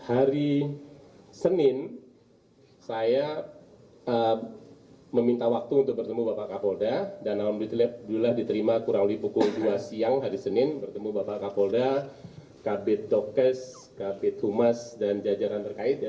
hari senin saya meminta waktu untuk bertemu bapak kapolda dan alhamdulillah diterima kurang lebih pukul dua siang hari senin bertemu bapak kapolda kabit dokes kabit humas dan jajaran terkait ya